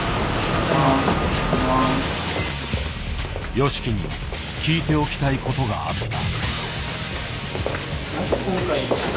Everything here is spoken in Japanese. ＹＯＳＨＩＫＩに聞いておきたいことがあった。